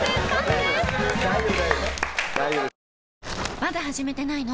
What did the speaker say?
まだ始めてないの？